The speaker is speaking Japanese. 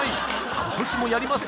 今年もやります！